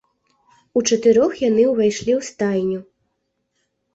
Учатырох яны ўвайшлі ў стайню.